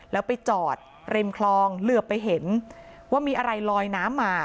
แล้วไปจอดริมคลองเหลือไปเห็นว่ามีอะไรลอยน้ำมา